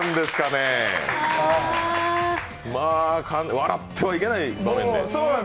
笑ってはいけない場面で。